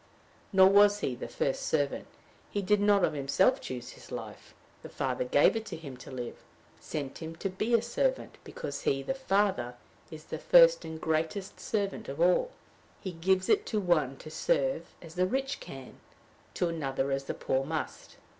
Nor was he the first servant; he did not of himself choose his life; the Father gave it him to live sent him to be a servant, because he, the Father, is the first and greatest servant of all. He gives it to one to serve as the rich can, to another as the poor must.